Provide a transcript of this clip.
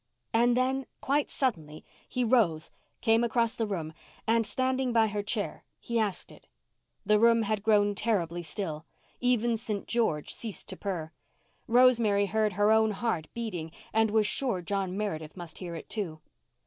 And then, quite suddenly, he rose, came across the room, and standing by her chair, he asked it. The room had grown terribly still. Even St. George ceased to purr. Rosemary heard her own heart beating and was sure John Meredith must hear it too.